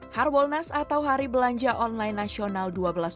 harwolnas atau hari belanja online nasional dua belas dua belas